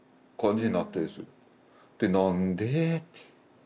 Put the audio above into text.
で何で？って。